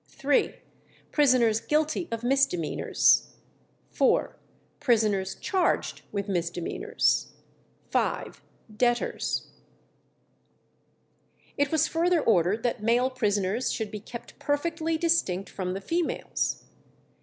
3. Prisoners guilty of misdemeanours. 4. Prisoners charged with misdemeanours. 5. Debtors. It was further ordered that male prisoners should be kept perfectly distinct from the females.